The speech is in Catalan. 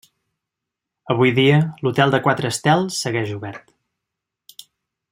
Avui dia, l'hotel de quatre estels segueix obert.